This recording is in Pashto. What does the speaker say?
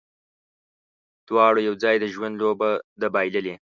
دواړو یو ځای، د ژوند لوبه ده بایللې